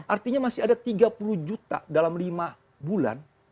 artinya masih ada tiga puluh juta dalam lima bulan